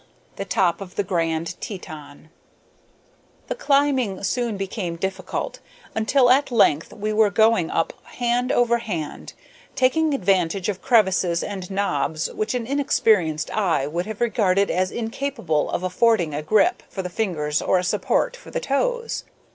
X THE TOP OF THE GRAND TETON The climbing soon became difficult, until at length we were going up hand over hand, taking advantage of crevices and knobs which an inexperienced eye would have regarded as incapable of affording a grip for the fingers or a support for the toes.